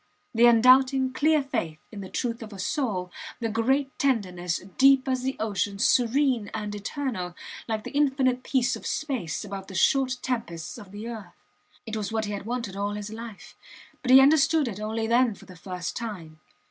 the undoubting, clear faith in the truth of a soul the great tenderness, deep as the ocean, serene and eternal, like the infinite peace of space above the short tempests of the earth. It was what he had wanted all his life but he understood it only then for the first time.